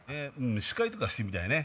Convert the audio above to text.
司会とかしてみたいね。